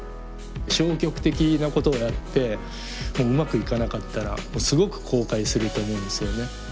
消極的なことをやってうまくいかなかったらすごく後悔すると思うんですよね。